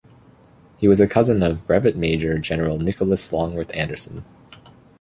He was a cousin of Brevet Major General Nicholas Longworth Anderson.